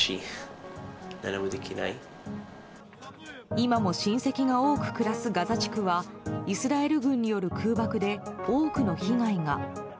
今も親戚が多く暮らすガザ地区はイスラエル軍による空爆で多くの被害が。